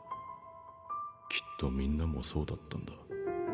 きっと皆もそうだったんだ。